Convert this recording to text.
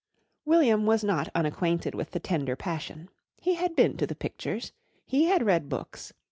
] William was not unacquainted with the tender passion. He had been to the pictures. He had read books.